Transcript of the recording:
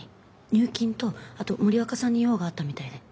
入金とあと森若さんに用があったみたいで。